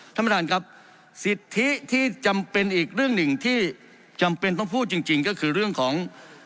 ท่านประธานครับสิทธิที่จำเป็นอีกเรื่องหนึ่งที่จำเป็นต้องพูดจริงก็คือเรื่องของ